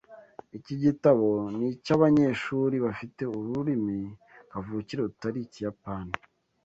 Iki gitabo ni icy'abanyeshuri bafite ururimi kavukire rutari Ikiyapani.